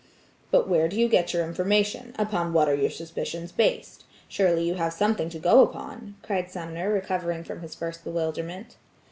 "But where do you get your information? Upon what are your suspicions based? Surely you have something to go upon," cried Sumner recovering from his first bewilderment.